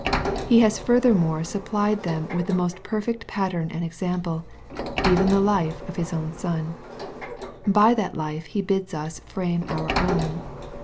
He has furthermore sup plied them with the most perfect pattern and example, even the life of His own Son. By that life he bids us frame our own.